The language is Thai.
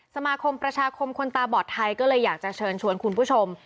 สมาคมประชาคมคนตาบอดไทยก็เลยอยากจะเชิญชวนคุณผู้ชม